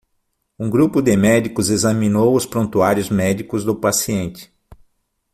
Um grupo de médicos examinou os prontuários médicos do paciente.